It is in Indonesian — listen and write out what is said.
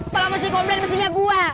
kalau mesti komplain mestinya gua